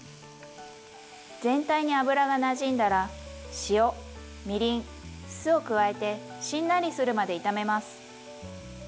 全体に油がなじんだら塩みりん酢を加えてしんなりするまで炒めます。